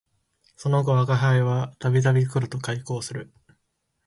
その後吾輩は度々黒と邂逅する